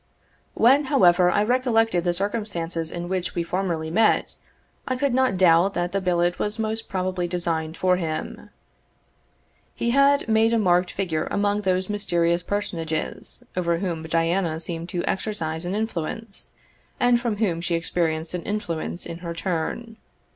When, however, I recollected the circumstances in which we formerly met, I could not doubt that the billet was most probably designed for him. He had made a marked figure among those mysterious personages over whom Diana seemed to exercise an influence, and from whom she experienced an influence in her turn.